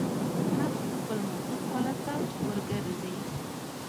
نرخ خپل مطلوب حالت ته ورګرځي.